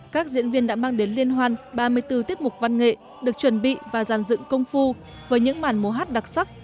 các diễn viên đã mang đến liên hoan ba mươi bốn tiết mục văn nghệ được chuẩn bị và dàn dựng công phu với những màn múa hát đặc sắc